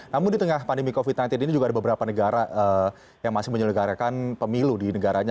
namun di tengah pandemi covid sembilan belas ini juga ada beberapa negara yang masih menyelenggarakan pemilu di negaranya